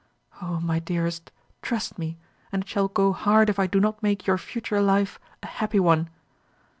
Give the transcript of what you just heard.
O my dearest, trust me, and it shall go hard if I do not make your future life a happy one.